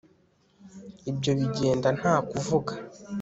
ibyo bigenda nta kuvuga